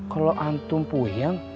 kalau antum puyeng